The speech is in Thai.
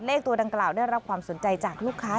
เลขตัวดังกล่าวได้รับความสนใจจากลูกค้า